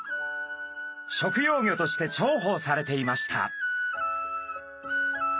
食用魚として重宝されていました。